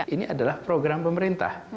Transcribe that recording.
ini adalah program pemerintah